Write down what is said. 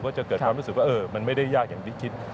จะเกิดความรู้สึกว่ามันไม่ได้ยากอย่างที่คิด